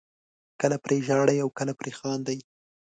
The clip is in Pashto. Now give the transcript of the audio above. کله پرې ژاړئ او کله پرې خاندئ.